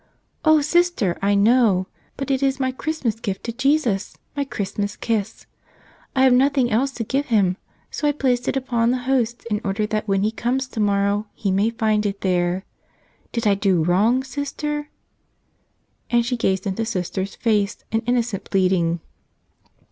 " "O Sister, I know. But it is my Christmas gift to Jesus, my Christmas kiss. I have nothing else to give Him, so I placed it upon the host in order that when He comes tomorrow He may find it there. Did I do wrong, Sister?" And she gazed into Sister's face in innocent pleading.